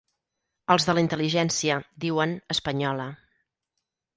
Els de la intel·ligència, diuen, espanyola.